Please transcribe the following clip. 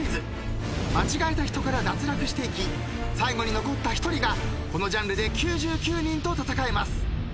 間違えた人から脱落していき最後に残った１人がこのジャンルで９９人と戦えます。